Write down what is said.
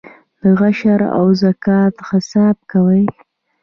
د عشر او زکات حساب کوئ؟